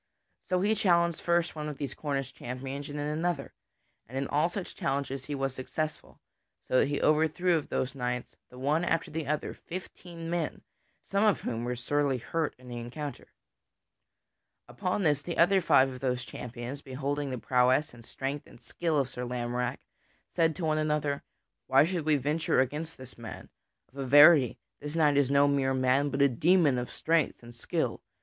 So he challenged first one of those Cornish champions and then another, and in all such challenges he was successful, so that he overthrew of those knights, the one after the other, fifteen men, some of whom were sorely hurt in the encounter. Upon this, the other five of those champions, beholding the prowess and strength and skill of Sir Lamorack said to one another: "Why should we venture against this man? Of a verity, this knight is no mere man, but a demon of strength and skill.